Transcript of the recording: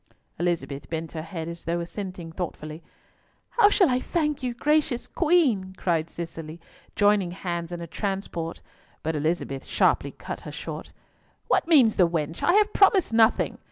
Elizabeth bent her head as though assenting thoughtfully. "How shall I thank you, gracious Queen?" cried Cicely, joining hands in a transport, but Elizabeth sharply cut her short. "What means the wench? I have promised nothing.